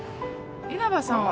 稲葉さんは。